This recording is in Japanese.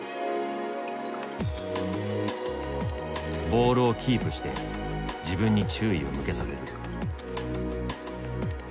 ボールをキープして自分に注意を向けさせる。